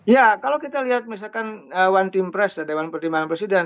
ya kalau kita lihat misalkan one team press dewan pertimbangan presiden